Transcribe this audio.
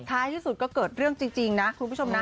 ท้ายที่สุดก็เกิดเรื่องจริงนะคุณผู้ชมนะ